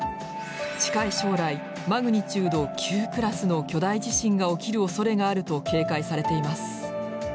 近い将来マグニチュード９クラスの巨大地震が起きるおそれがあると警戒されています。